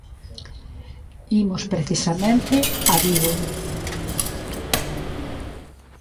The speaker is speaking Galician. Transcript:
Imos precisamente a Vigo.